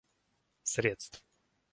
средств